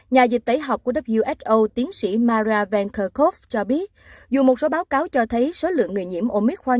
nhà dịch tẩy học của who tiến sĩ mara van kerkhove cho biết dù một số báo cáo cho thấy số lượng người nhiễm omicron